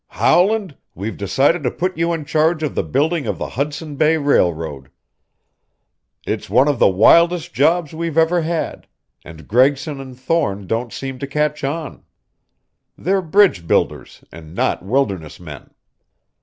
"Howland, we've decided to put you in charge Of the building of the Hudson Bay Railroad. It's one of the wildest jobs we've ever had, and Gregson and Thorne don't seem to catch on. They're bridge builders and not wilderness men.